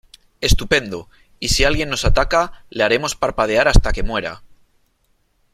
Estupendo . Y si alguien nos ataca , le haremos parpadear hasta que muera .